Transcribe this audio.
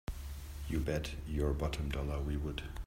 You bet your bottom dollar we would!